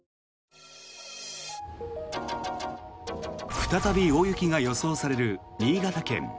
再び大雪が予想される新潟県。